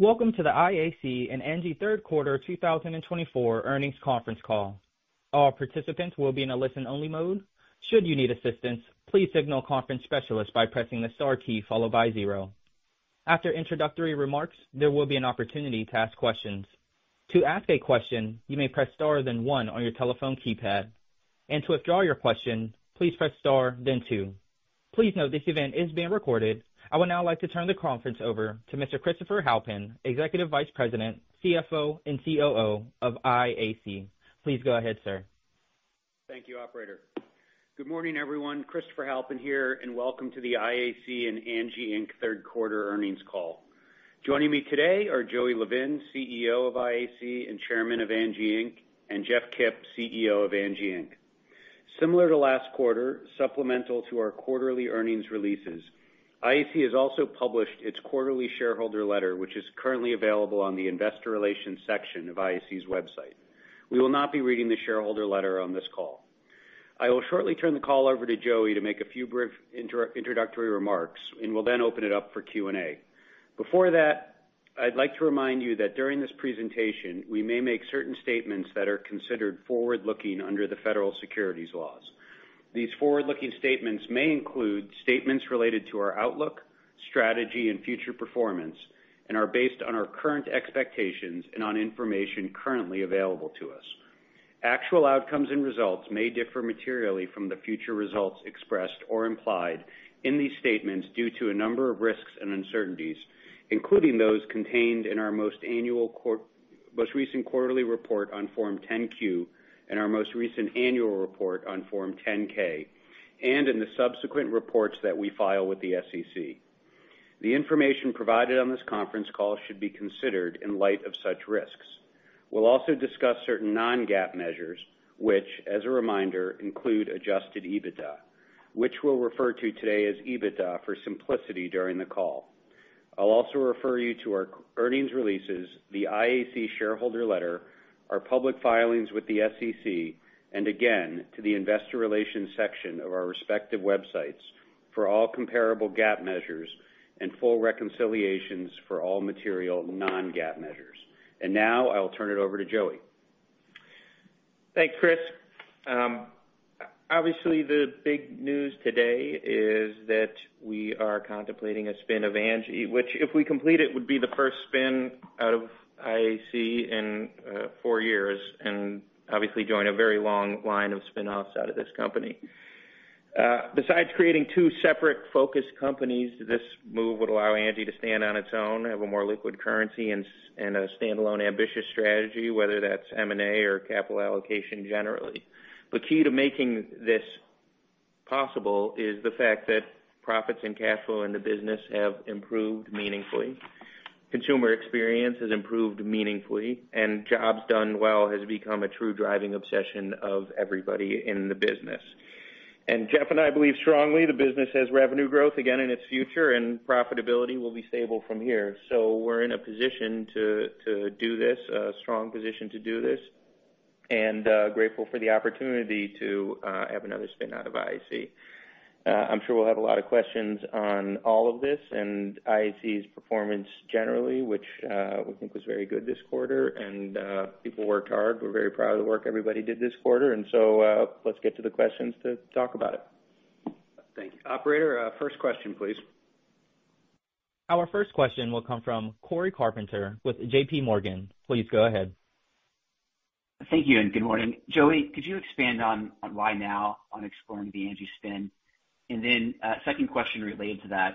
Welcome to the IAC and Angi Third Quarter 2024 Earnings Conference Call. All participants will be in a listen-only mode. Should you need assistance, please signal the conference specialist by pressing the star key followed by zero. After introductory remarks, there will be an opportunity to ask questions. To ask a question, you may press star then one on your telephone keypad, and to withdraw your question, please press star then two. Please note this event is being recorded. I would now like to turn the conference over to Mr. Christopher Halpin, Executive Vice President, CFO, and COO of IAC. Please go ahead, sir. Thank you, Operator. Good morning, everyone. Christopher Halpin here, and welcome to the IAC and Angi Inc. Third Quarter Earnings Call. Joining me today are Joey Levin, CEO of IAC and Chairman of Angi Inc., and Jeff Kipp, CEO of Angi Inc. Similar to last quarter, supplemental to our quarterly earnings releases, IAC has also published its quarterly shareholder letter, which is currently available on the investor relations section of IAC's website. We will not be reading the shareholder letter on this call. I will shortly turn the call over to Joey to make a few brief introductory remarks and will then open it up for Q&A. Before that, I'd like to remind you that during this presentation, we may make certain statements that are considered forward-looking under the federal securities laws. These forward-looking statements may include statements related to our outlook, strategy, and future performance, and are based on our current expectations and on information currently available to us. Actual outcomes and results may differ materially from the future results expressed or implied in these statements due to a number of risks and uncertainties, including those contained in our most recent quarterly report on Form 10-Q and our most recent annual report on Form 10-K, and in the subsequent reports that we file with the SEC. The information provided on this conference call should be considered in light of such risks. We'll also discuss certain non-GAAP measures, which, as a reminder, include adjusted EBITDA, which we'll refer to today as EBITDA for simplicity during the call. I'll also refer you to our earnings releases, the IAC shareholder letter, our public filings with the SEC, and again, to the investor relations section of our respective websites for all comparable GAAP measures and full reconciliations for all material non-GAAP measures. And now I'll turn it over to Joey. Thanks, Chris. Obviously, the big news today is that we are contemplating a spin of Angi, which, if we complete it, would be the first spin out of IAC in four years and obviously join a very long line of spinoffs out of this company. Besides creating two separate focus companies, this move would allow Angi to stand on its own, have a more liquid currency, and a standalone ambitious strategy, whether that's M&A or capital allocation generally. The key to making this possible is the fact that profits and cash flow in the business have improved meaningfully. Consumer experience has improved meaningfully, and Jobs Done Well have become a true driving obsession of everybody in the business, and Jeff and I believe strongly the business has revenue growth again in its future, and profitability will be stable from here. We're in a position to do this, a strong position to do this, and grateful for the opportunity to have another spin out of IAC. I'm sure we'll have a lot of questions on all of this and IAC's performance generally, which we think was very good this quarter, and people worked hard. We're very proud of the work everybody did this quarter, and so let's get to the questions to talk about it. Thank you. Operator, first question, please. Our first question will come from Cory Carpenter with JPMorgan. Please go ahead. Thank you and good morning. Joey, could you expand on why now on exploring the Angi spin? And then second question related to that,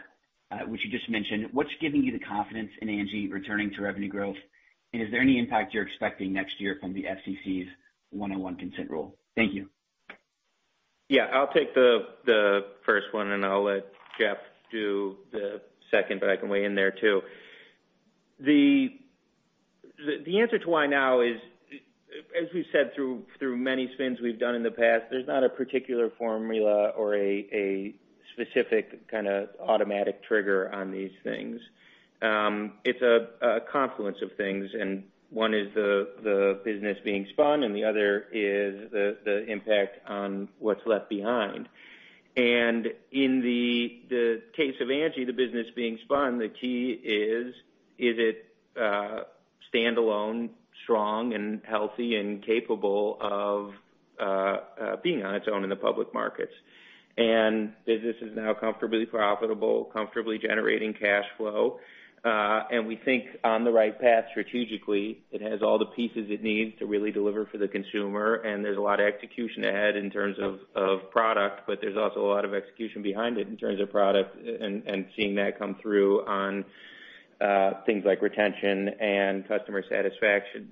which you just mentioned, what's giving you the confidence in Angi returning to revenue growth? And is there any impact you're expecting next year from the FCC's one-to-one consent rule? Thank you. Yeah, I'll take the first one, and I'll let Jeff do the second, but I can weigh in there too. The answer to why now is, as we've said, through many spins we've done in the past, there's not a particular formula or a specific kind of automatic trigger on these things. It's a confluence of things. And one is the business being spun, and the other is the impact on what's left behind. And in the case of Angi, the business being spun, the key is, is it standalone, strong, and healthy, and capable of being on its own in the public markets? And business is now comfortably profitable, comfortably generating cash flow. And we think on the right path strategically, it has all the pieces it needs to really deliver for the consumer. And there's a lot of execution ahead in terms of product, but there's also a lot of execution behind it in terms of product and seeing that come through on things like retention and customer satisfaction.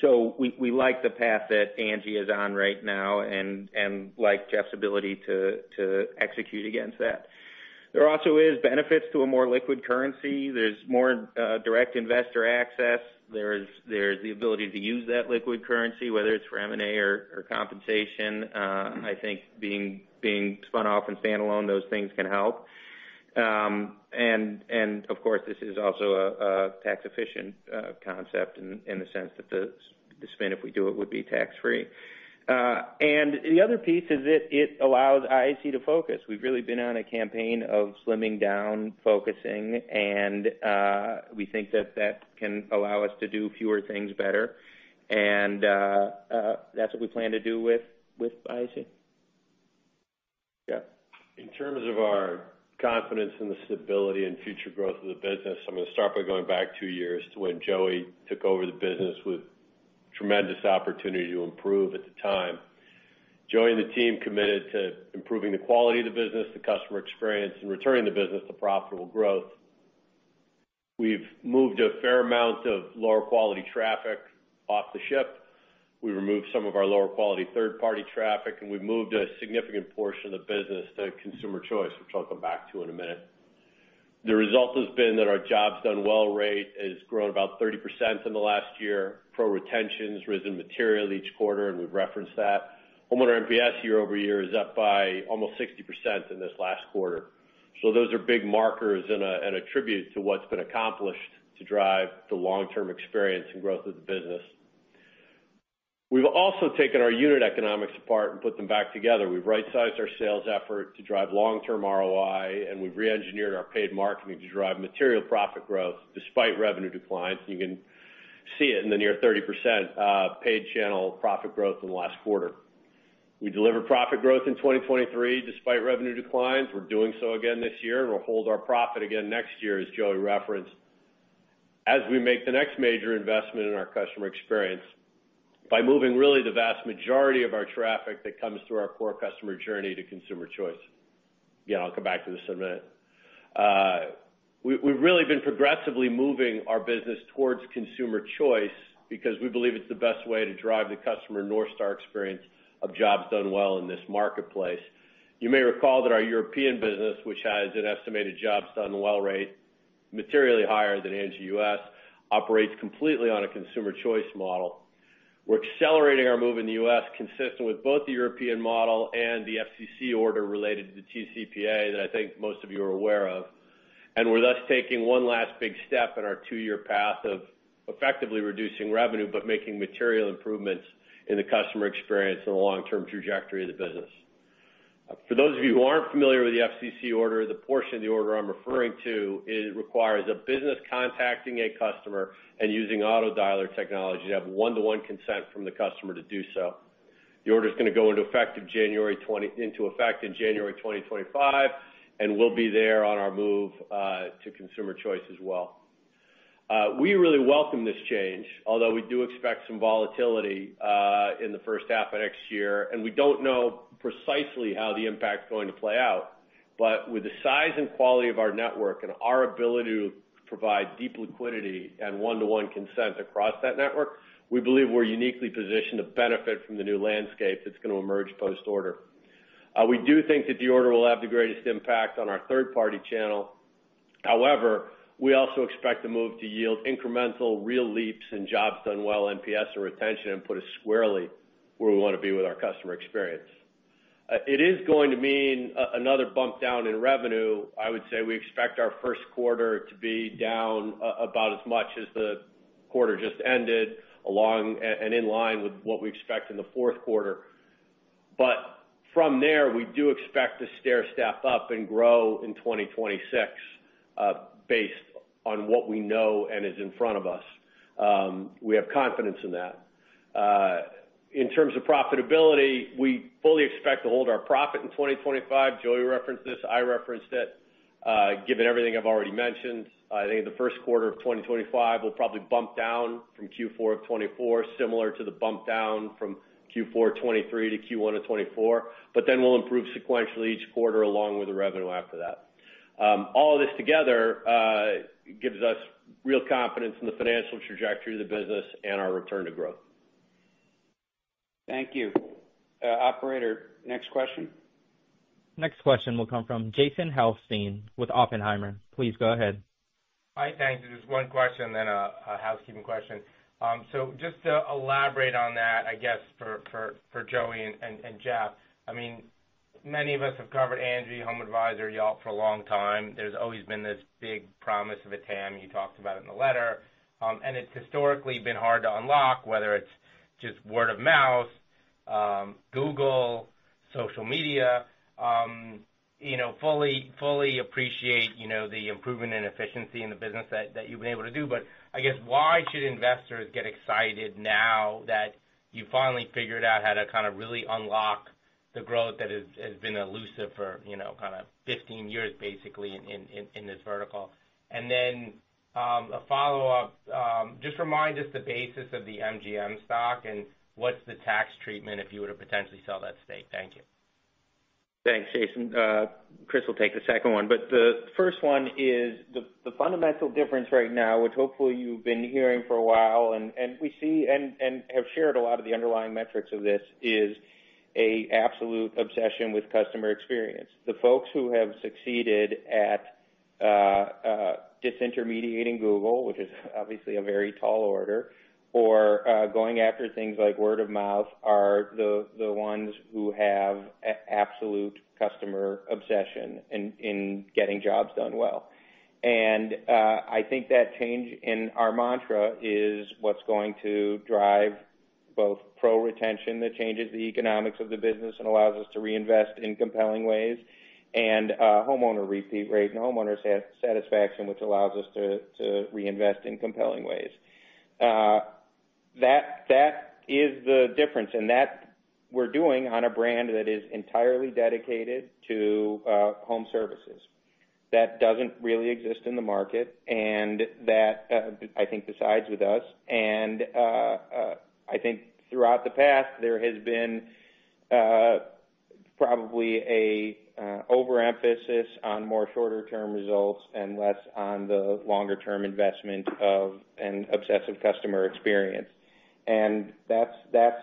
So we like the path that Angi is on right now and like Jeff's ability to execute against that. There also are benefits to a more liquid currency. There's more direct investor access. There's the ability to use that liquid currency, whether it's for M&A or compensation. I think being spun off and standalone, those things can help. And of course, this is also a tax-efficient concept in the sense that the spin, if we do it, would be tax-free. And the other piece is that it allows IAC to focus. We've really been on a campaign of slimming down, focusing, and we think that that can allow us to do fewer things better. And that's what we plan to do with IAC. Yeah. In terms of our confidence in the stability and future growth of the business, I'm going to start by going back two years to when Joey took over the business with tremendous opportunity to improve at the time. Joey and the team committed to improving the quality of the business, the customer experience, and returning the business to profitable growth. We've moved a fair amount of lower quality traffic off the ship. We removed some of our lower quality third-party traffic, and we've moved a significant portion of the business to consumer choice, which I'll come back to in a minute. The result has been that our jobs done well rate has grown about 30% in the last year. Pro retention has risen materially each quarter, and we've referenced that. Homeowner NPS year over year is up by almost 60% in this last quarter. So those are big markers and attributes to what's been accomplished to drive the long-term experience and growth of the business. We've also taken our unit economics apart and put them back together. We've right-sized our sales effort to drive long-term ROI, and we've re-engineered our paid marketing to drive material profit growth despite revenue declines. You can see it in the near 30% paid channel profit growth in the last quarter. We delivered profit growth in 2023 despite revenue declines. We're doing so again this year, and we'll hold our profit again next year, as Joey referenced, as we make the next major investment in our customer experience by moving really the vast majority of our traffic that comes through our core customer journey to consumer choice. Again, I'll come back to this in a minute. We've really been progressively moving our business towards consumer choice because we believe it's the best way to drive the customer North Star experience of jobs done well in this marketplace. You may recall that our European business, which has an estimated jobs done well rate materially higher than Angi U.S., operates completely on a consumer choice model. We're accelerating our move in the U.S., consistent with both the European model and the FCC order related to the TCPA that I think most of you are aware of. And we're thus taking one last big step in our two-year path of effectively reducing revenue, but making material improvements in the customer experience and the long-term trajectory of the business. For those of you who aren't familiar with the FCC order, the portion of the order I'm referring to requires a business contacting a customer and using autodialer technology to have one-to-one consent from the customer to do so. The order is going to go into effect in January 2025 and will be there on our move to consumer choice as well. We really welcome this change, although we do expect some volatility in the first half of next year, and we don't know precisely how the impact is going to play out, but with the size and quality of our network and our ability to provide deep liquidity and one-to-one consent across that network, we believe we're uniquely positioned to benefit from the new landscape that's going to emerge post-order. We do think that the order will have the greatest impact on our third-party channel. However, we also expect the move to yield incremental, real leaps in Jobs Done Well, NPS, and retention, and put us squarely where we want to be with our customer experience. It is going to mean another bump down in revenue. I would say we expect our first quarter to be down about as much as the quarter just ended, along, and in line with what we expect in the fourth quarter, but from there, we do expect to stair step up and grow in 2026 based on what we know and is in front of us. We have confidence in that. In terms of profitability, we fully expect to hold our profit in 2025. Joey referenced this. I referenced it. Given everything I've already mentioned, I think the first quarter of 2025 will probably bump down from Q4 of 2024, similar to the bump down from Q4 of 2023 to Q1 of 2024, but then we'll improve sequentially each quarter along with the revenue after that. All of this together gives us real confidence in the financial trajectory of the business and our return to growth. Thank you. Operator, next question. Next question will come from Jason Helfstein with Oppenheimer. Please go ahead. Hi, thanks. Just one question and then a housekeeping question. So just to elaborate on that, I guess, for Joey and Jeff, I mean, many of us have covered Angi HomeAdvisor, y'all for a long time. There's always been this big promise of a TAM. You talked about it in the letter. And it's historically been hard to unlock, whether it's just word of mouth, Google, social media. Fully appreciate the improvement in efficiency in the business that you've been able to do. But I guess, why should investors get excited now that you finally figured out how to kind of really unlock the growth that has been elusive for kind of 15 years, basically, in this vertical? And then a follow-up, just remind us the basis of the MGM stock and what's the tax treatment if you were to potentially sell that stake? Thank you. Thanks, Jason. Jeff will take the second one, but the first one is the fundamental difference right now, which hopefully you've been hearing for a while, and we see and have shared a lot of the underlying metrics of this, is an absolute obsession with customer experience. The folks who have succeeded at disintermediating Google, which is obviously a very tall order, or going after things like word of mouth, are the ones who have absolute customer obsession in getting jobs done well. And I think that change in our mantra is what's going to drive both pro retention that changes the economics of the business and allows us to reinvest in compelling ways, and homeowner repeat rate and homeowner satisfaction, which allows us to reinvest in compelling ways. That is the difference, and that we're doing on a brand that is entirely dedicated to home services. That doesn't really exist in the market, and that I think decides with us, and I think throughout the past, there has been probably an overemphasis on more shorter-term results and less on the longer-term investment of an obsessive customer experience, and that's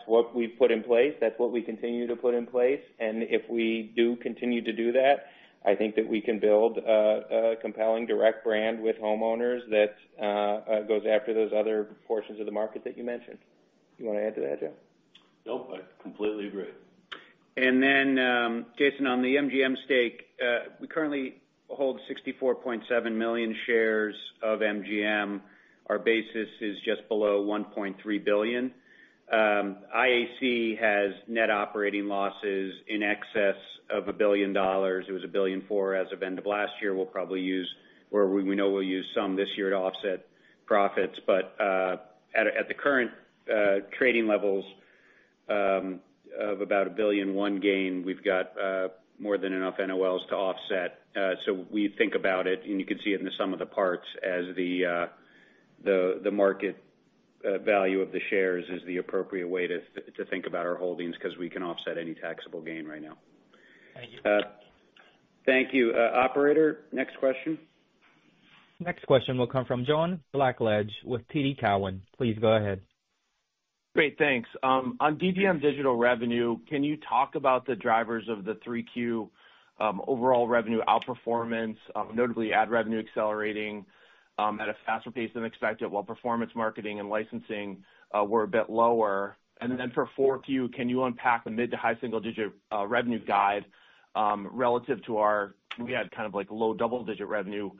what we've put in place. That's what we continue to put in place, and if we do continue to do that, I think that we can build a compelling direct brand with homeowners that goes after those other portions of the market that you mentioned. You want to add to that, Jeff? Nope, I completely agree. And then, Jason, on the MGM stake, we currently hold 64.7 million shares of MGM. Our basis is just below $1.3 billion. IAC has net operating losses in excess of $1 billion. It was $1.4 billion as of end of last year. We'll probably use, or we know we'll use some this year to offset profits. But at the current trading levels of about a $1.1 billion gain, we've got more than enough NOLs to offset. So we think about it, and you can see it in the sum of the parts as the market value of the shares is the appropriate way to think about our holdings because we can offset any taxable gain right now. Thank you. Thank you. Operator, next question. Next question will come from John Blackledge with TD Cowen. Please go ahead. Great, thanks. On DDM digital revenue, can you talk about the drivers of the 3Q overall revenue outperformance, notably ad revenue accelerating at a faster pace than expected, while performance marketing and licensing were a bit lower? And then for 4Q, can you unpack the mid to high single-digit revenue guide relative to our we had kind of like low double-digit revenue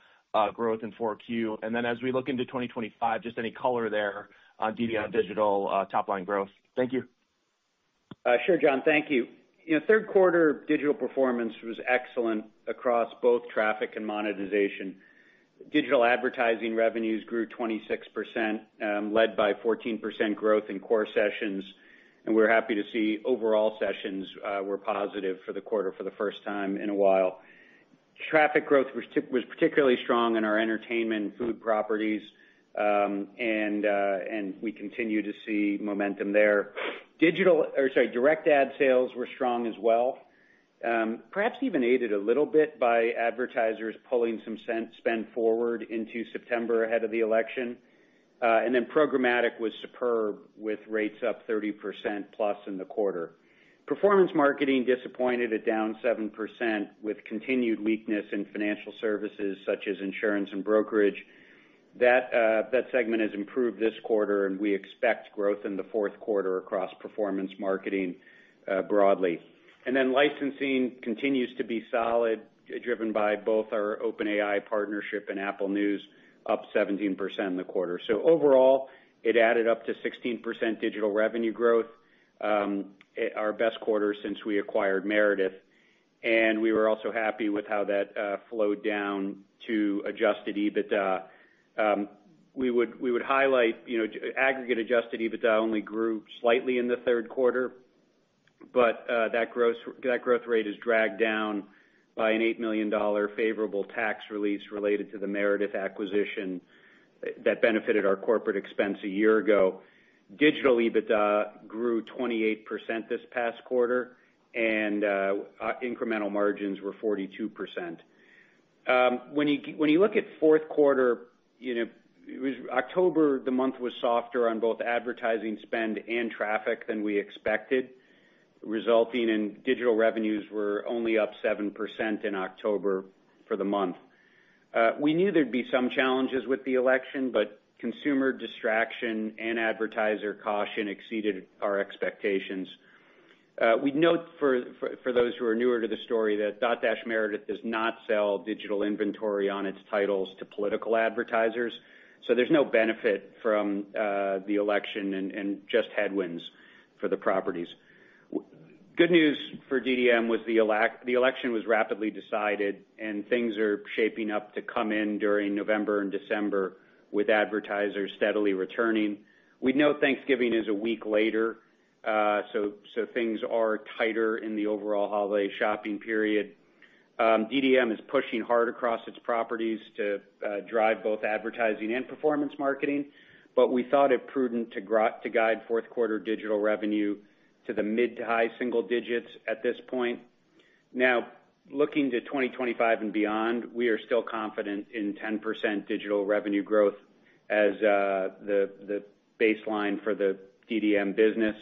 growth in 4Q? And then as we look into 2025, just any color there on DDM digital top-line growth? Thank you. Sure, John. Thank you. Third quarter digital performance was excellent across both traffic and monetization. Digital advertising revenues grew 26%, led by 14% growth in core sessions, and we're happy to see overall sessions were positive for the quarter for the first time in a while. Traffic growth was particularly strong in our entertainment and food properties, and we continue to see momentum there. Digital or sorry, direct ad sales were strong as well. Perhaps even aided a little bit by advertisers pulling some spend forward into September ahead of the election, and then programmatic was superb with rates up 30%+ in the quarter. Performance marketing disappointed at down 7% with continued weakness in financial services such as insurance and brokerage. That segment has improved this quarter, and we expect growth in the fourth quarter across performance marketing broadly. And then licensing continues to be solid, driven by both our OpenAI partnership and Apple News, up 17% in the quarter. So overall, it added up to 16% digital revenue growth, our best quarter since we acquired Meredith. And we were also happy with how that flowed down to Adjusted EBITDA. We would highlight aggregate Adjusted EBITDA only grew slightly in the third quarter, but that growth rate is dragged down by an $8 million favorable tax release related to the Meredith acquisition that benefited our corporate expense a year ago. Digital EBITDA grew 28% this past quarter, and incremental margins were 42%. When you look at fourth quarter, it was October. The month was softer on both advertising spend and traffic than we expected, resulting in digital revenues were only up 7% in October for the month. We knew there'd be some challenges with the election, but consumer distraction and advertiser caution exceeded our expectations. We note for those who are newer to the story that Dotdash Meredith does not sell digital inventory on its titles to political advertisers. So there's no benefit from the election and just headwinds for the properties. Good news for DDM was the election was rapidly decided, and things are shaping up to come in during November and December with advertisers steadily returning. We know Thanksgiving is a week later, so things are tighter in the overall holiday shopping period. DDM is pushing hard across its properties to drive both advertising and performance marketing, but we thought it prudent to guide fourth quarter digital revenue to the mid to high single digits at this point. Now, looking to 2025 and beyond, we are still confident in 10% digital revenue growth as the baseline for the DDM business.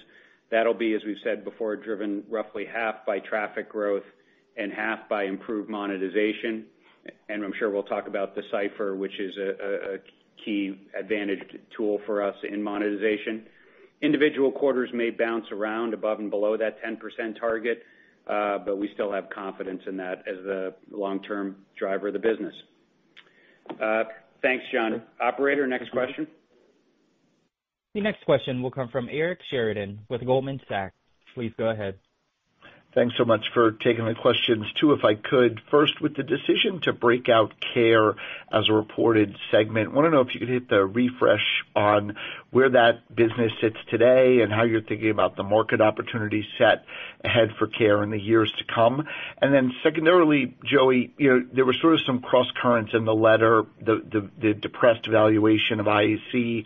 That'll be, as we've said before, driven roughly half by traffic growth and half by improved monetization. And I'm sure we'll talk about the Decipher, which is a key advantage tool for us in monetization. Individual quarters may bounce around above and below that 10% target, but we still have confidence in that as the long-term driver of the business. Thanks, John. Operator, next question. The next question will come from Eric Sheridan with Goldman Sachs. Please go ahead. Thanks so much for taking the questions. Two, if I could, first with the decision to break out Care as a reported segment. I want to know if you could hit the refresh on where that business sits today and how you're thinking about the market opportunity set ahead for Care in the years to come. And then secondarily, Joey, there were sort of some cross currents in the letter, the depressed valuation of IAC,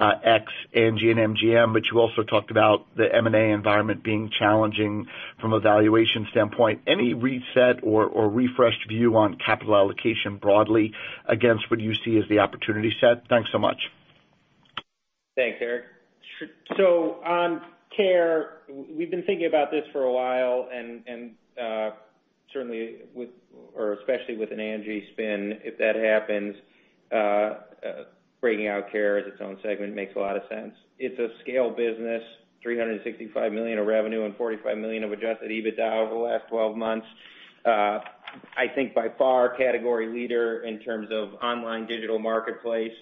X, Angi, and MGM, but you also talked about the M&A environment being challenging from a valuation standpoint. Any reset or refreshed view on capital allocation broadly against what you see as the opportunity set? Thanks so much. Thanks, Eric. So on Care, we've been thinking about this for a while and certainly, or especially with an Angi spin, if that happens, breaking out Care as its own segment makes a lot of sense. It's a scale business, $365 million of revenue and $45 million of Adjusted EBITDA over the last 12 months. I think by far category leader in terms of online digital marketplace,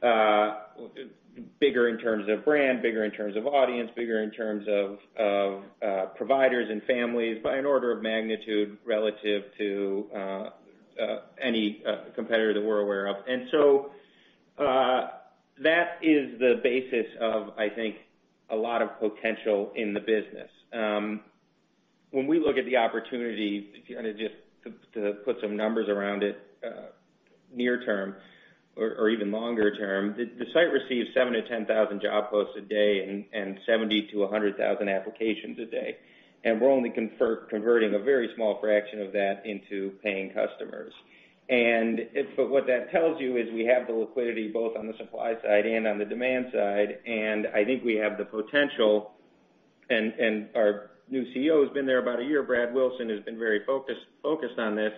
bigger in terms of brand, bigger in terms of audience, bigger in terms of providers and families by an order of magnitude relative to any competitor that we're aware of. And so that is the basis of, I think, a lot of potential in the business. When we look at the opportunity, just to put some numbers around it, near-term or even longer term, the site receives 7-10 thousand job posts a day and 70-100 thousand applications a day. And we're only converting a very small fraction of that into paying customers. And what that tells you is we have the liquidity both on the supply side and on the demand side. And I think we have the potential, and our new CEO has been there about a year, Brad Wilson, has been very focused on this.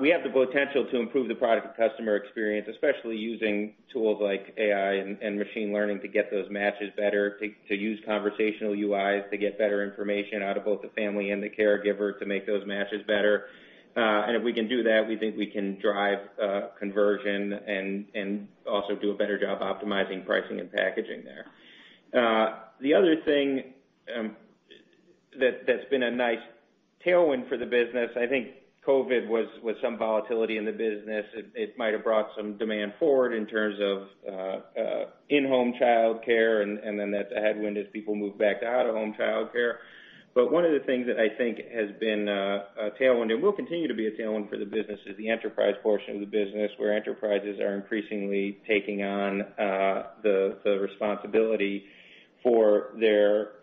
We have the potential to improve the product and customer experience, especially using tools like AI and machine learning to get those matches better, to use conversational UIs to get better information out of both the family and the caregiver to make those matches better. And if we can do that, we think we can drive conversion and also do a better job optimizing pricing and packaging there. The other thing that's been a nice tailwind for the business, I think. COVID was some volatility in the business. It might have brought some demand forward in terms of in-home childcare and then that's a headwind as people move back to out-of-home childcare. But one of the things that I think has been a tailwind and will continue to be a tailwind for the business is the enterprise portion of the business where enterprises are increasingly taking on the responsibility for their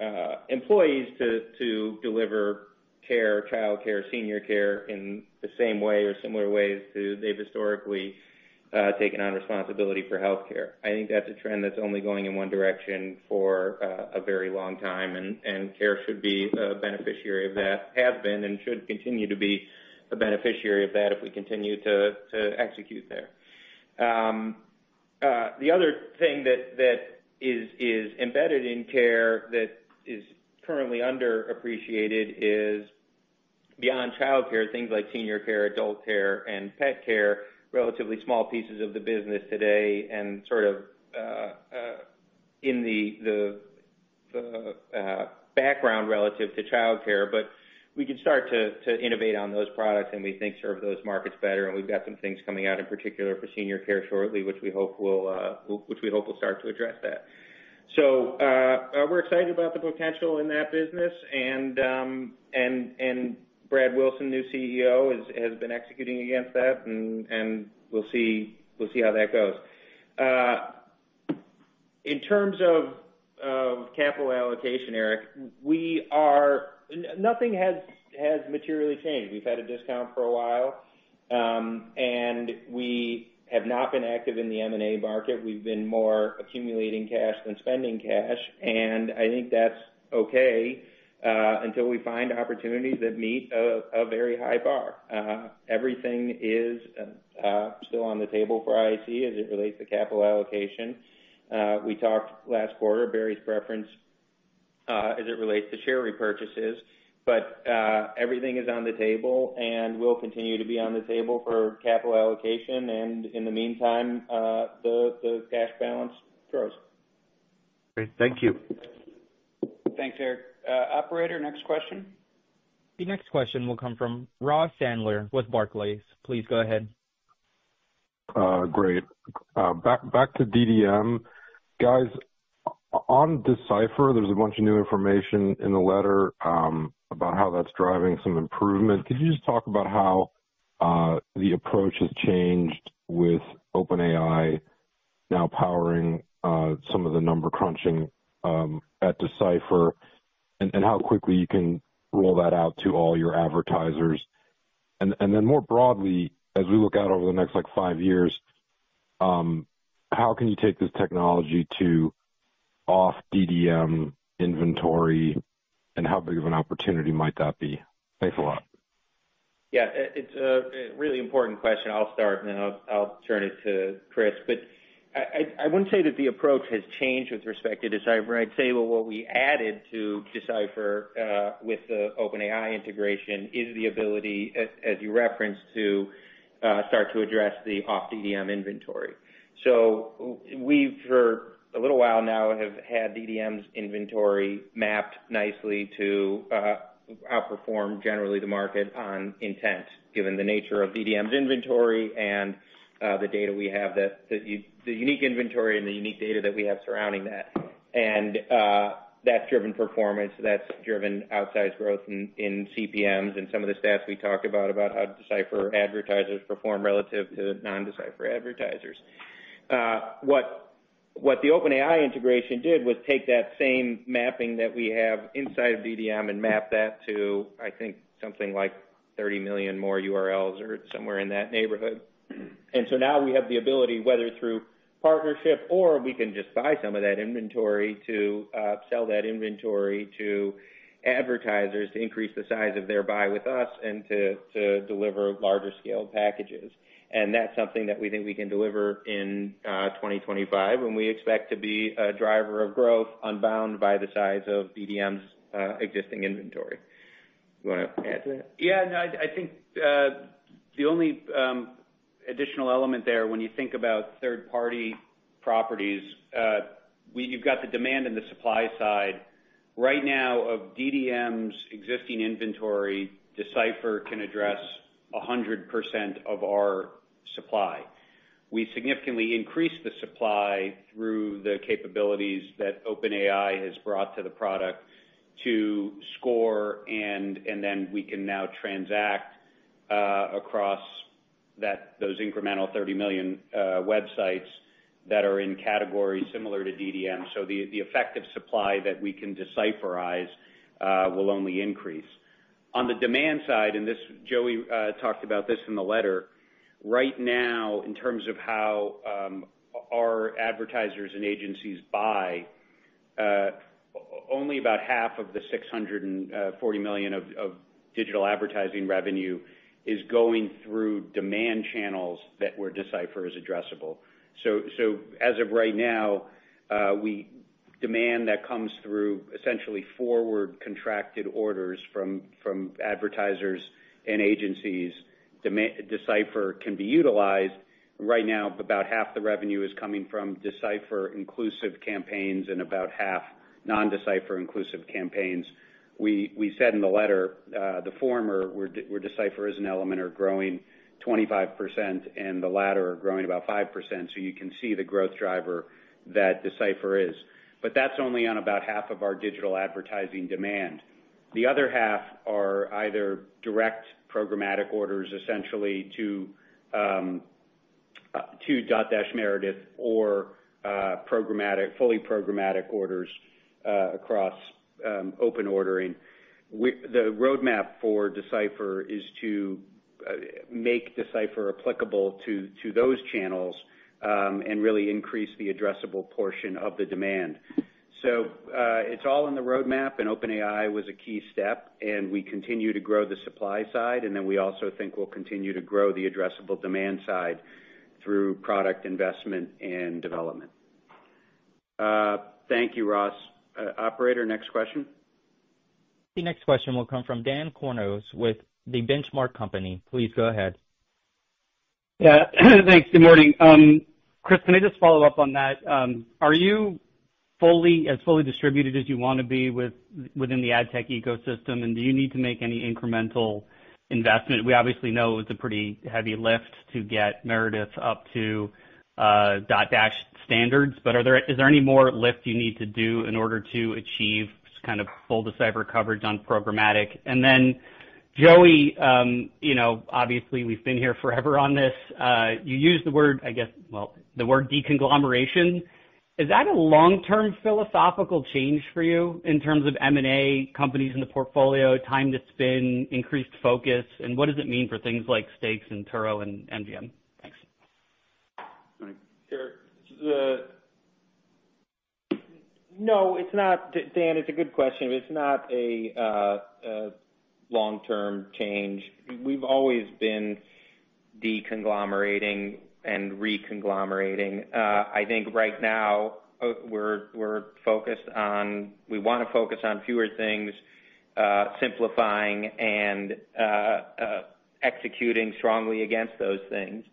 employees to deliver care, childcare, senior care in the same way or similar ways to they've historically taken on responsibility for healthcare. I think that's a trend that's only going in one direction for a very long time, and care should be a beneficiary of that, has been and should continue to be a beneficiary of that if we continue to execute there. The other thing that is embedded in Care that is currently underappreciated is beyond childcare, things like senior care, adult care, and pet care, relatively small pieces of the business today and sort of in the background relative to childcare. But we can start to innovate on those products, and we think serve those markets better. And we've got some things coming out in particular for senior care shortly, which we hope will start to address that. So we're excited about the potential in that business. And Brad Wilson, new CEO, has been executing against that, and we'll see how that goes. In terms of capital allocation, Eric, nothing has materially changed. We've had a discount for a while, and we have not been active in the M&A market. We've been more accumulating cash than spending cash. I think that's okay until we find opportunities that meet a very high bar. Everything is still on the table for IAC as it relates to capital allocation. We talked last quarter, Barry's preference as it relates to share repurchases, but everything is on the table and will continue to be on the table for capital allocation. In the meantime, the cash balance grows. Great. Thank you. Thanks, Eric. Operator, next question. The next question will come from Ross Sandler with Barclays. Please go ahead. Great. Back to DDM. Guys, on Decipher, there's a bunch of new information in the letter about how that's driving some improvement. Could you just talk about how the approach has changed with OpenAI now powering some of the number crunching at Decipher and how quickly you can roll that out to all your advertisers? And then more broadly, as we look out over the next five years, how can you take this technology to off-DDM inventory and how big of an opportunity might that be? Thanks a lot. Yeah, it's a really important question. I'll start, and then I'll turn it to Chris. But I wouldn't say that the approach has changed with respect to Decipher. I'd say what we added to Decipher with the OpenAI integration is the ability, as you referenced, to start to address the off-DDM inventory. So we've, for a little while now, have had DDM's inventory mapped nicely to outperform generally the market on intent, given the nature of DDM's inventory and the data we have, the unique inventory and the unique data that we have surrounding that. And that's driven performance. That's driven outsized growth in CPMs and some of the stats we talked about, about how Decipher advertisers perform relative to non-Decipher advertisers. What the OpenAI integration did was take that same mapping that we have inside of DDM and map that to, I think, something like 30 million more URLs or somewhere in that neighborhood. And so now we have the ability, whether through partnership or we can just buy some of that inventory to sell that inventory to advertisers to increase the size of their buy with us and to deliver larger scale packages. And that's something that we think we can deliver in 2025, and we expect to be a driver of growth unbound by the size of DDM's existing inventory. You want to add to that? Yeah, no, I think the only additional element there, when you think about third-party properties, you've got the demand and the supply side. Right now, of DDM's existing inventory, Decipher can address 100% of our supply. We significantly increased the supply through the capabilities that OpenAI has brought to the product to score, and then we can now transact across those incremental 30 million websites that are in categories similar to DDM. So the effective supply that we can decipherize will only increase. On the demand side, and this Joey talked about this in the letter, right now, in terms of how our advertisers and agencies buy, only about half of the $640 million of digital advertising revenue is going through demand channels through which Decipher is addressable. So as of right now, demand that comes through essentially forward contracted orders from advertisers and agencies, Decipher can be utilized. Right now, about half the revenue is coming from Decipher-inclusive campaigns and about half non-Decipher-inclusive campaigns. We said in the letter, the former, where Decipher is an element, are growing 25%, and the latter are growing about 5%. So you can see the growth driver that Decipher is. But that's only on about half of our digital advertising demand. The other half are either direct programmatic orders, essentially to Dotdash Meredith or fully programmatic orders across open ordering. The roadmap for Decipher is to make Decipher applicable to those channels and really increase the addressable portion of the demand. So it's all in the roadmap, and OpenAI was a key step, and we continue to grow the supply side, and then we also think we'll continue to grow the addressable demand side through product investment and development. Thank you, Ross. Operator, next question. The next question will come from Daniel Kurnos with the Benchmark Company. Please go ahead. Yeah, thanks. Good morning. Chris, can I just follow up on that? Are you as fully distributed as you want to be within the ad tech ecosystem, and do you need to make any incremental investment? We obviously know it was a pretty heavy lift to get Meredith up to Dotdash standards, but is there any more lift you need to do in order to achieve kind of full Decipher coverage on programmatic? And then Joey, obviously, we've been here forever on this. You used the word, I guess, well, the word de-conglomeration. Is that a long-term philosophical change for you in terms of M&A companies in the portfolio, time to spin, increased focus, and what does it mean for things like stakes in Turo and MGM? Thanks. No, it's not, Dan. It's a good question, but it's not a long-term change. We've always been de-conglomerating and re-conglomerating. I think right now we're focused on, we want to focus on fewer things, simplifying and executing strongly against those things.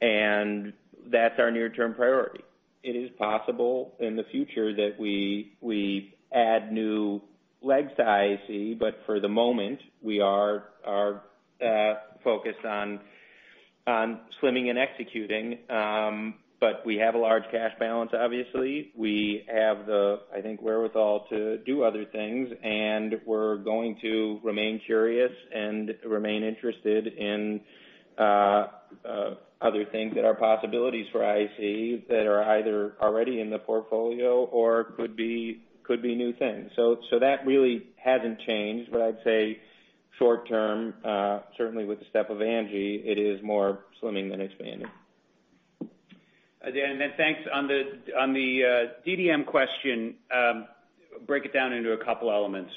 And that's our near-term priority. It is possible in the future that we add new legs to IAC, but for the moment, we are focused on swimming and executing. But we have a large cash balance, obviously. We have the, I think, wherewithal to do other things, and we're going to remain curious and remain interested in other things that are possibilities for IAC that are either already in the portfolio or could be new things. So that really hasn't changed, but I'd say short-term, certainly with the step of Angi, it is more swimming than expanding. Dan, then thanks. On the DDM question, break it down into a couple of elements.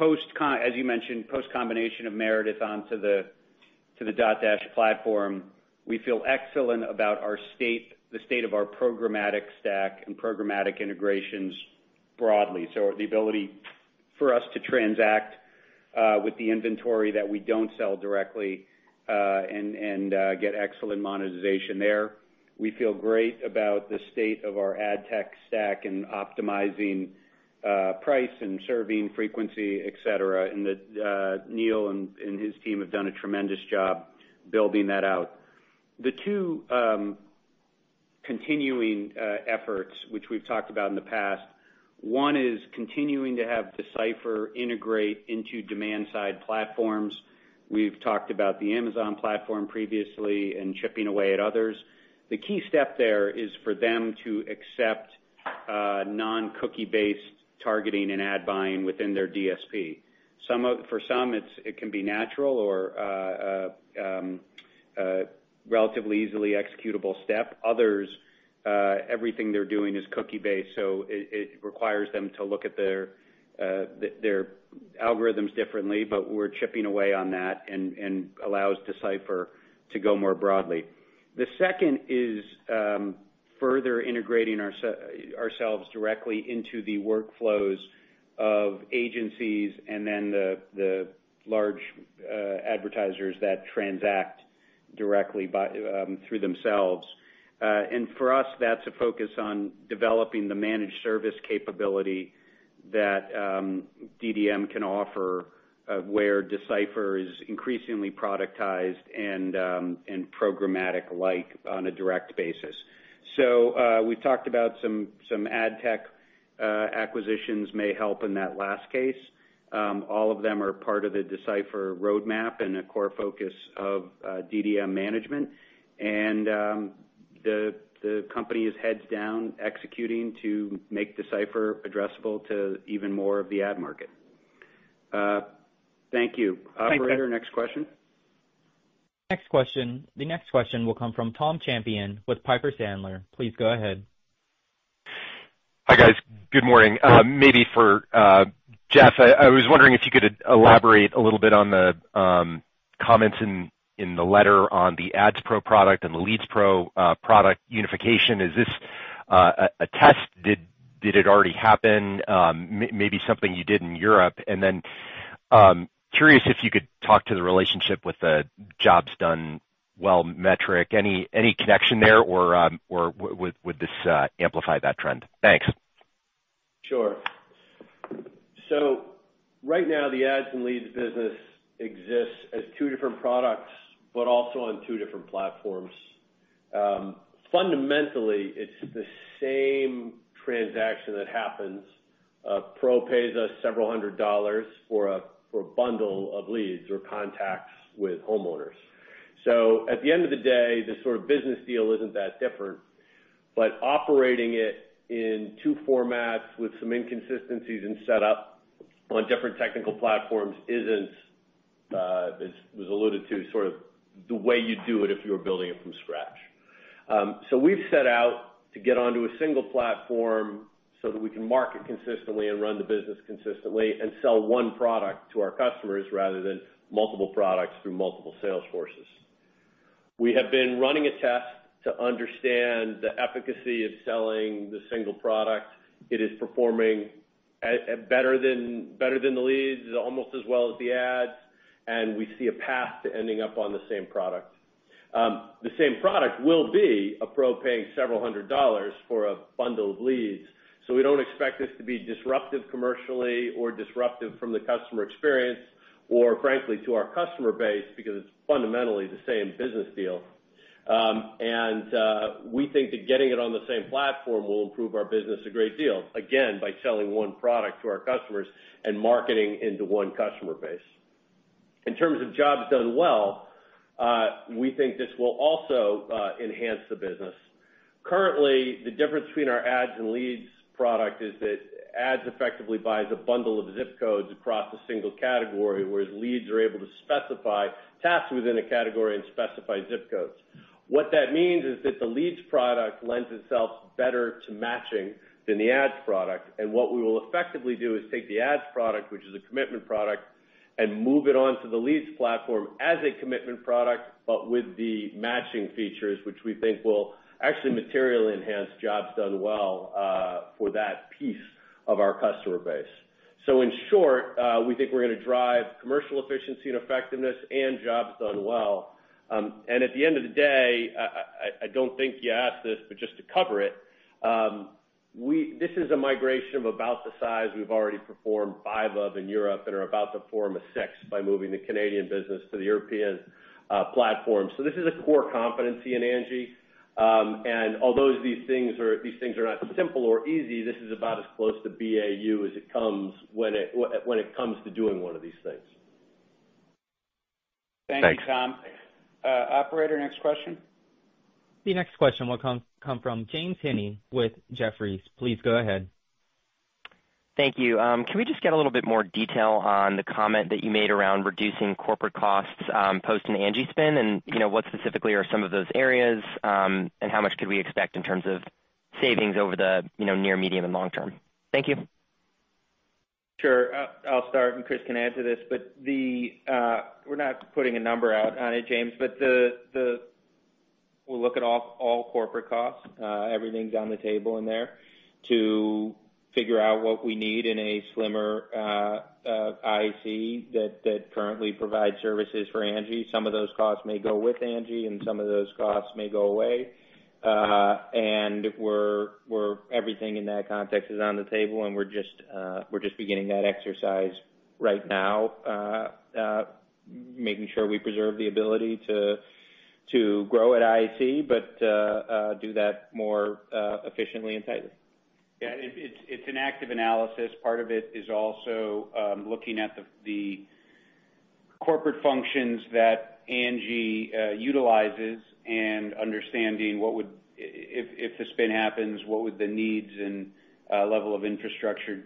As you mentioned, post-combination of Meredith onto the dot-platform, we feel excellent about the state of our programmatic stack and programmatic integrations broadly, so the ability for us to transact with the inventory that we don't sell directly and get excellent monetization there. We feel great about the state of our ad tech stack and optimizing price and serving frequency, etc., and Neil and his team have done a tremendous job building that out. The two continuing efforts, which we've talked about in the past, one is continuing to have Decipher integrate into demand-side platforms. We've talked about the Amazon platform previously and chipping away at others. The key step there is for them to accept non-cookie-based targeting and ad buying within their DSP. For some, it can be natural or a relatively easily executable step. Others, everything they're doing is cookie-based, so it requires them to look at their algorithms differently, but we're chipping away on that and allows Decipher to go more broadly. The second is further integrating ourselves directly into the workflows of agencies and then the large advertisers that transact directly through themselves. And for us, that's a focus on developing the managed service capability that DDM can offer where Decipher is increasingly productized and programmatic-like on a direct basis. So we've talked about some ad tech acquisitions may help in that last case. All of them are part of the Decipher roadmap and a core focus of DDM management. And the company is heads down executing to make Decipher addressable to even more of the ad market. Thank you. Operator, next question. Next question. The next question will come from Tom Champion with Piper Sandler. Please go ahead. Hi guys. Good morning. Maybe for Jeff, I was wondering if you could elaborate a little bit on the comments in the letter on the AdsPro product and the LeadsPro product unification. Is this a test? Did it already happen? Maybe something you did in Europe? And then curious if you could talk to the relationship with the Jobs Done Well metric. Any connection there or would this amplify that trend? Thanks. Sure. So right now, the ads and leads business exists as two different products, but also on two different platforms. Fundamentally, it's the same transaction that happens. Pro pays us several hundred dollars for a bundle of leads or contacts with homeowners. So at the end of the day, the sort of business deal isn't that different, but operating it in two formats with some inconsistencies in setup on different technical platforms isn't, as was alluded to, sort of the way you do it if you were building it from scratch. So we've set out to get onto a single platform so that we can market consistently and run the business consistently and sell one product to our customers rather than multiple products through multiple sales forces. We have been running a test to understand the efficacy of selling the single product. It is performing better than the leads, almost as well as the ads, and we see a path to ending up on the same product. The same product will be a pro paying several hundred dollars for a bundle of leads. So we don't expect this to be disruptive commercially or disruptive from the customer experience or, frankly, to our customer base because it's fundamentally the same business deal. And we think that getting it on the same platform will improve our business a great deal, again, by selling one product to our customers and marketing into one customer base. In terms of jobs done well, we think this will also enhance the business. Currently, the difference between our ads and leads product is that ads effectively buys a bundle of zip codes across a single category, whereas leads are able to specify tasks within a category and specify zip codes. What that means is that the leads product lends itself better to matching than the ads product. And what we will effectively do is take the ads product, which is a commitment product, and move it on to the leads platform as a commitment product, but with the matching features, which we think will actually materially enhance Jobs Done Well for that piece of our customer base. So in short, we think we're going to drive commercial efficiency and effectiveness and Jobs Done Well. At the end of the day, I don't think you asked this, but just to cover it, this is a migration of about the size we've already performed five of in Europe and are about to perform a sixth by moving the Canadian business to the European platform. This is a core competency in Angi. Although these things are not simple or easy, this is about as close to BAU as it comes when it comes to doing one of these things. Thanks, Tom. Operator, next question. The next question will come from James Heaney with Jefferies. Please go ahead. Thank you. Can we just get a little bit more detail on the comment that you made around reducing corporate costs post-Angi spin and what specifically are some of those areas and how much could we expect in terms of savings over the near, medium, and long term? Thank you. Sure. I'll start and Chris can add to this, but we're not putting a number out on it, James, but we'll look at all corporate costs. Everything's on the table in there to figure out what we need in a slimmer IAC that currently provides services for Angi. Some of those costs may go with Angi and some of those costs may go away. And everything in that context is on the table and we're just beginning that exercise right now, making sure we preserve the ability to grow at IAC, but do that more efficiently and tightly. Yeah, it's an active analysis. Part of it is also looking at the corporate functions that Angi utilizes and understanding if the spin happens, what would the needs and level of infrastructure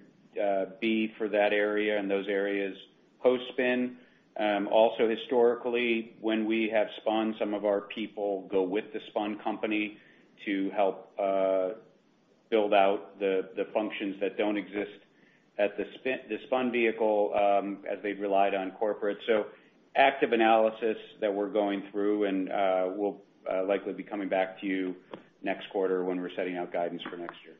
be for that area and those areas post-spin. Also, historically, when we have spun, some of our people go with the spun company to help build out the functions that don't exist at the spun vehicle as they've relied on corporate. So, active analysis that we're going through, and we'll likely be coming back to you next quarter when we're setting out guidance for next year.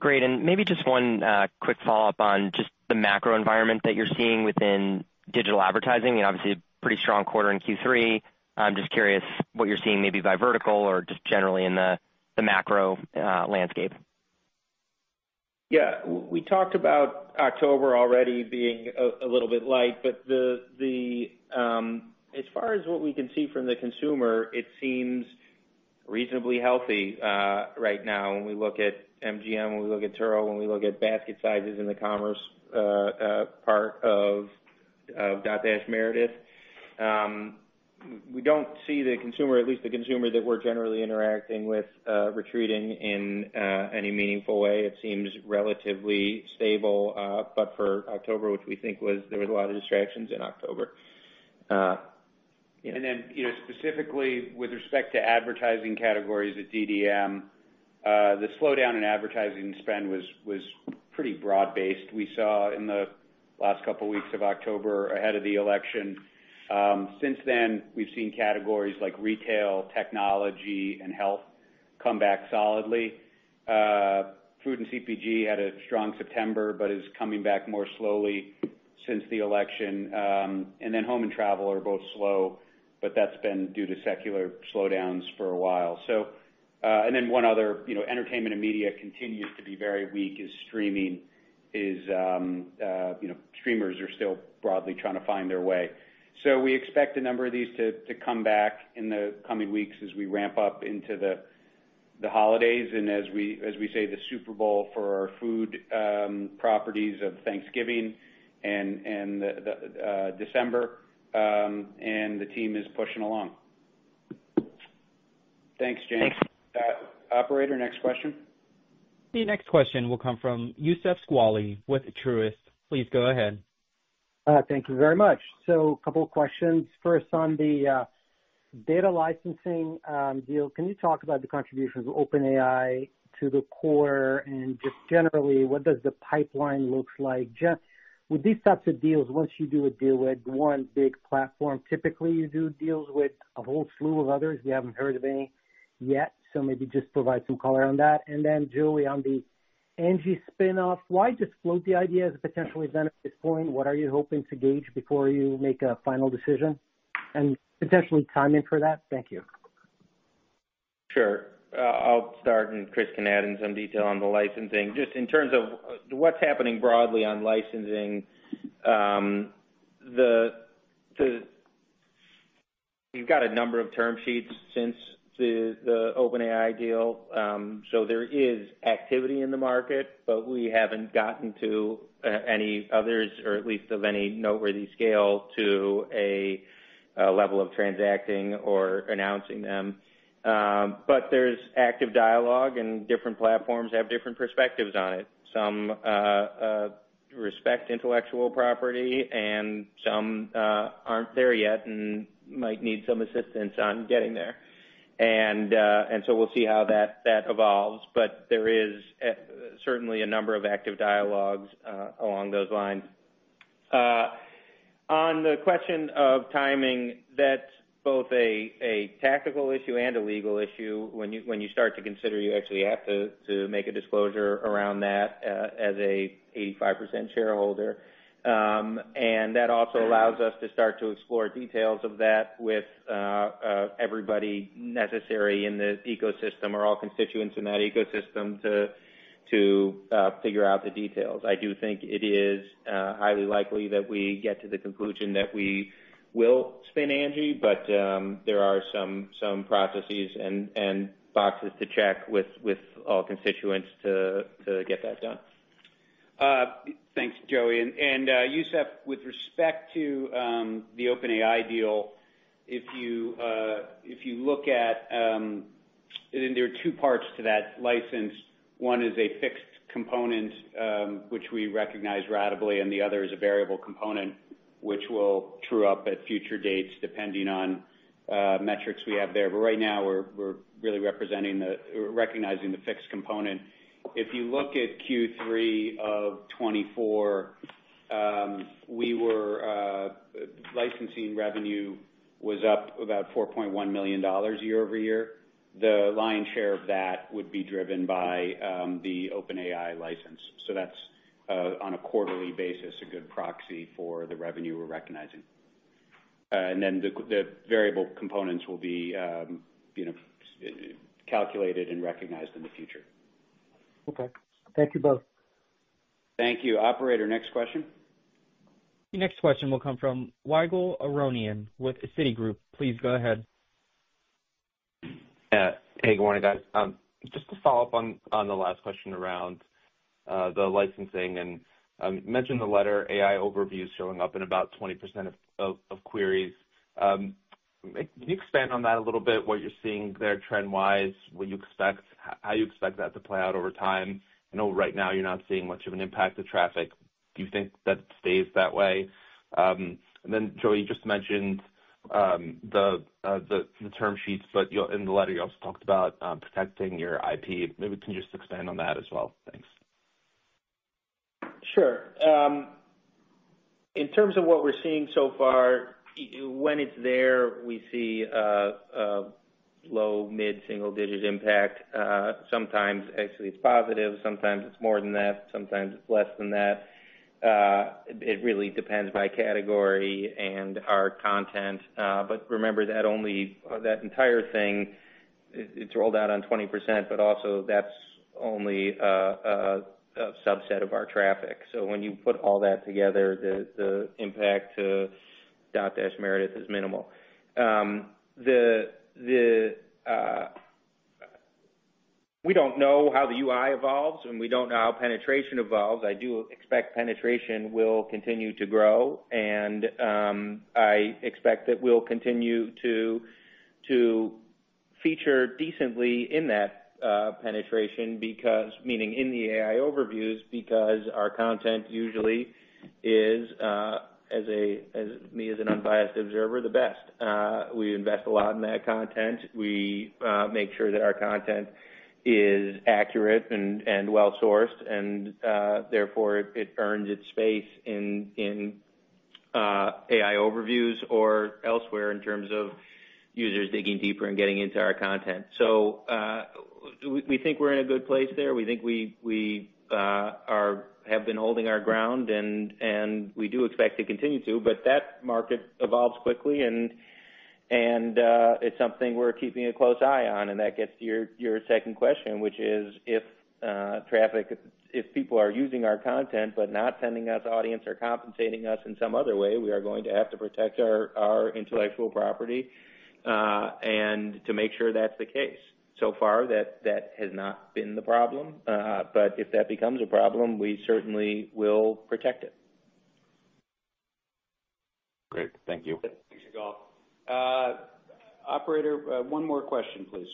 Great. And maybe just one quick follow-up on just the macro environment that you're seeing within digital advertising. Obviously, pretty strong quarter in Q3. I'm just curious what you're seeing maybe by vertical or just generally in the macro landscape? Yeah. We talked about October already being a little bit light, but as far as what we can see from the consumer, it seems reasonably healthy right now when we look at MGM, when we look at Turo, when we look at basket sizes in the commerce part of Dotdash Meredith. We don't see the consumer, at least the consumer that we're generally interacting with, retreating in any meaningful way. It seems relatively stable, but for October, which we think there was a lot of distractions in October. Then specifically with respect to advertising categories at DDM, the slowdown in advertising spend was pretty broad-based. We saw in the last couple of weeks of October ahead of the election. Since then, we've seen categories like retail, technology, and health come back solidly. Food and CPG had a strong September but is coming back more slowly since the election. And then home and travel are both slow, but that's been due to secular slowdowns for a while. And then one other entertainment and media continues to be very weak is streaming. Streamers are still broadly trying to find their way. So we expect a number of these to come back in the coming weeks as we ramp up into the holidays and, as we say, the Super Bowl for our food properties of Thanksgiving and December, and the team is pushing along. Thanks, James. Thanks. Operator, next question. The next question will come from Youssef Squali with Truist. Please go ahead. Thank you very much. So a couple of questions first on the data licensing deal. Can you talk about the contribution of OpenAI to the core and just generally, what does the pipeline look like? Jeff, with these types of deals, once you do a deal with one big platform, typically you do deals with a whole slew of others. We haven't heard of any yet, so maybe just provide some color on that. And then Joey, on the Angi spin-off, why just float the idea as a potential event at this point? What are you hoping to gauge before you make a final decision and potentially time in for that? Thank you. Sure. I'll start and Chris can add in some detail on the licensing. Just in terms of what's happening broadly on licensing, you've got a number of term sheets since the OpenAI deal. So there is activity in the market, but we haven't gotten to any others, or at least of any noteworthy scale, to a level of transacting or announcing them. But there's active dialogue and different platforms have different perspectives on it. Some respect intellectual property and some aren't there yet and might need some assistance on getting there. And so we'll see how that evolves, but there is certainly a number of active dialogues along those lines. On the question of timing, that's both a tactical issue and a legal issue. When you start to consider, you actually have to make a disclosure around that as an 85% shareholder. And that also allows us to start to explore details of that with everybody necessary in the ecosystem or all constituents in that ecosystem to figure out the details. I do think it is highly likely that we get to the conclusion that we will spin Angi, but there are some processes and boxes to check with all constituents to get that done. Thanks, Joey. And Youssef, with respect to the OpenAI deal, if you look at, there are two parts to that license. One is a fixed component, which we recognize ratably, and the other is a variable component, which will true up at future dates depending on metrics we have there. But right now, we're really recognizing the fixed component. If you look at Q3 of 2024, licensing revenue was up about $4.1 million year over year. The lion's share of that would be driven by the OpenAI license. So that's, on a quarterly basis, a good proxy for the revenue we're recognizing. And then the variable components will be calculated and recognized in the future. Okay. Thank you both. Thank you. Operator, next question. The next question will come from Ygal Arounian with Citigroup. Please go ahead. Hey, good morning, guys. Just to follow up on the last question around the licensing, and you mentioned the latter AI Overviews showing up in about 20% of queries. Can you expand on that a little bit, what you're seeing there trend-wise, how you expect that to play out over time? I know right now you're not seeing much of an impact of traffic. Do you think that stays that way? And then Joey, you just mentioned the term sheets, but in the letter, you also talked about protecting your IP. Maybe can you just expand on that as well? Thanks. Sure. In terms of what we're seeing so far, when it's there, we see low, mid, single-digit impact. Sometimes, actually, it's positive. Sometimes it's more than that. Sometimes it's less than that. It really depends by category and our content. But remember that entire thing, it's rolled out on 20%, but also that's only a subset of our traffic. So when you put all that together, the impact to Dotdash Meredith is minimal. We don't know how the UI evolves, and we don't know how penetration evolves. I do expect penetration will continue to grow, and I expect that we'll continue to feature decently in that penetration, meaning in the AI Overviews, because our content usually is, as me as an unbiased observer, the best. We invest a lot in that content. We make sure that our content is accurate and well-sourced, and therefore, it earns its space in AI Overviews or elsewhere in terms of users digging deeper and getting into our content, so we think we're in a good place there. We think we have been holding our ground, and we do expect to continue to, but that market evolves quickly, and it's something we're keeping a close eye on, and that gets to your second question, which is if people are using our content but not sending us audience or compensating us in some other way, we are going to have to protect our intellectual property and to make sure that's the case, so far, that has not been the problem, but if that becomes a problem, we certainly will protect it. Great. Thank you. Thanks, Joey. Operator, one more question, please.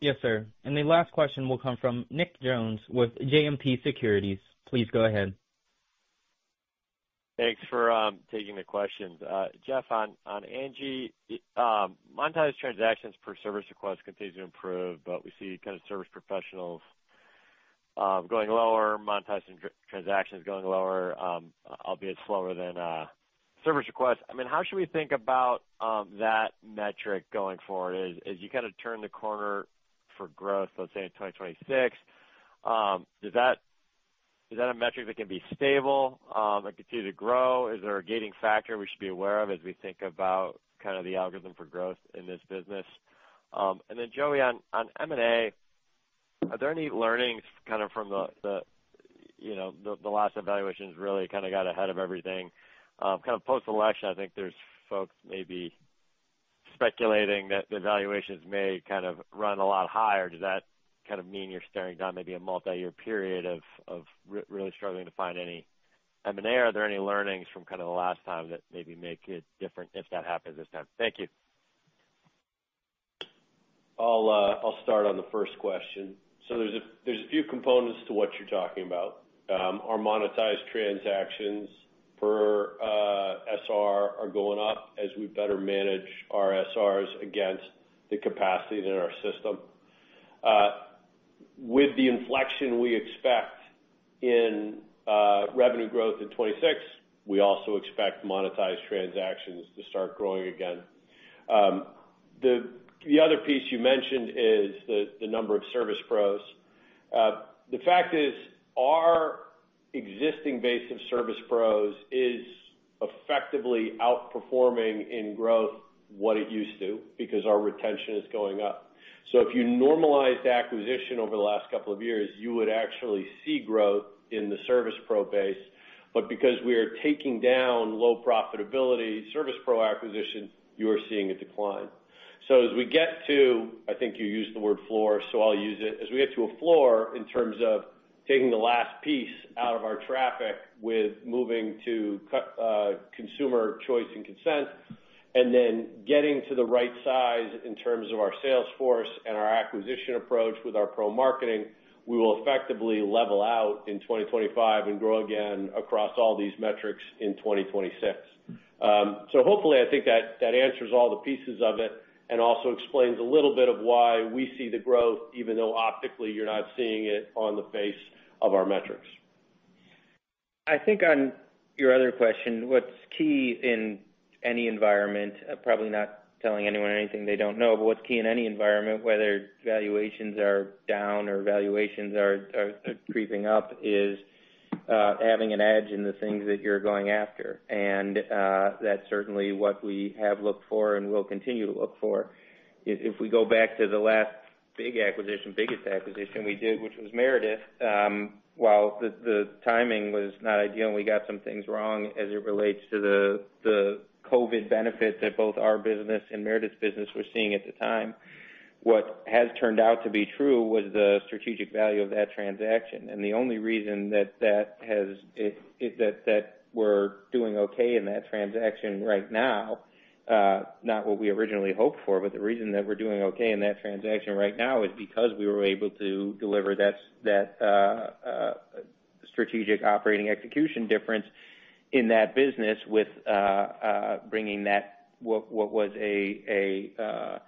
Yes, sir, and the last question will come from Nick Jones with JMP Securities. Please go ahead. Thanks for taking the questions. Jeff, on Angi, monetized transactions per service request continue to improve, but we see kind of service professionals going lower, monetized transactions going lower, albeit slower than service requests. I mean, how should we think about that metric going forward? As you kind of turn the corner for growth, let's say in 2026, is that a metric that can be stable and continue to grow? Is there a gating factor we should be aware of as we think about kind of the algorithm for growth in this business? And then, Joey, on M&A, are there any learnings kind of from the last valuations really kind of got ahead of everything? Kind of post-election, I think there's folks maybe speculating that the valuations may kind of run a lot higher. Does that kind of mean you're staring down maybe a multi-year period of really struggling to find any M&A? Are there any learnings from kind of the last time that maybe make it different if that happens this time? Thank you. I'll start on the first question, so there's a few components to what you're talking about. Our monetized transactions per SR are going up as we better manage our SRs against the capacity in our system. With the inflection we expect in revenue growth in 2026, we also expect monetized transactions to start growing again. The other piece you mentioned is the number of service pros. The fact is our existing base of service pros is effectively outperforming in growth what it used to because our retention is going up, so if you normalize acquisition over the last couple of years, you would actually see growth in the service pro base, but because we are taking down low profitability service pro acquisition, you are seeing a decline. So as we get to, I think you used the word floor, so I'll use it, as we get to a floor in terms of taking the last piece out of our traffic with moving to Consumer Choice and consent, and then getting to the right size in terms of our sales force and our acquisition approach with our pro marketing, we will effectively level out in 2025 and grow again across all these metrics in 2026. So hopefully, I think that answers all the pieces of it and also explains a little bit of why we see the growth, even though optically you're not seeing it on the face of our metrics. I think on your other question, what's key in any environment, probably not telling anyone anything they don't know, but what's key in any environment, whether valuations are down or valuations are creeping up, is having an edge in the things that you're going after, and that's certainly what we have looked for and will continue to look for. If we go back to the last big acquisition, biggest acquisition we did, which was Meredith, while the timing was not ideal and we got some things wrong as it relates to the COVID benefit that both our business and Meredith's business were seeing at the time, what has turned out to be true was the strategic value of that transaction. The only reason that we're doing okay in that transaction right now, not what we originally hoped for, but the reason that we're doing okay in that transaction right now is because we were able to deliver that strategic operating execution difference in that business with bringing what was an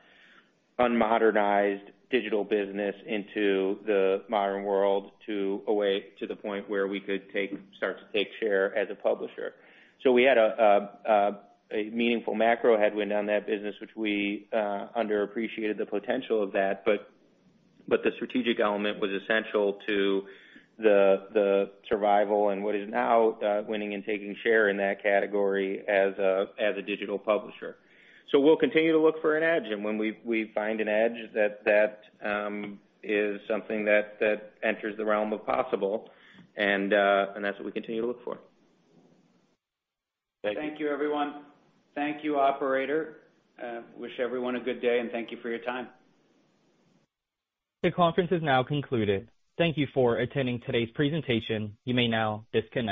unmodernized digital business into the modern world to a point where we could start to take share as a publisher. We had a meaningful macro headwind on that business, which we underappreciated the potential of that, but the strategic element was essential to the survival and what is now winning and taking share in that category as a digital publisher. We'll continue to look for an edge, and when we find an edge, that is something that enters the realm of possible, and that's what we continue to look for. Thank you, everyone. Thank you, Operator. Wish everyone a good day, and thank you for your time. The conference is now concluded. Thank you for attending today's presentation. You may now disconnect.